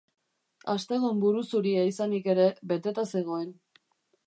Astegun buruzuria izanik ere, beteta zegoen.